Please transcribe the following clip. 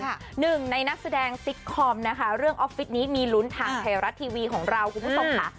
หนึ่งในนักแสดงซิกคอมนะคะเรื่องออฟฟิศนี้มีลุ้นทางไทยรัฐทีวีของเราคุณผู้ชมค่ะ